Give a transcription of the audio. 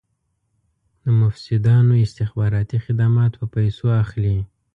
د مفسدانو استخباراتي خدمات په پیسو اخلي.